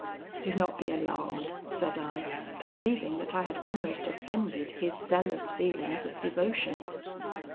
"'Do not be alarmed,' said I, perceiving that I had almost offended his zealous feelings of devotion.